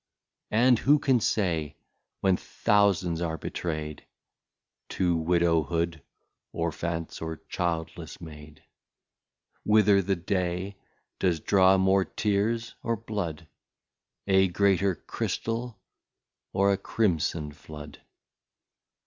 And who can say, when Thousands are betray'd, To Widdowhood, Orphants or Childless made. Whither the Day does draw more Tears or Blood, A greater Chrystal, or a Crimson Floud.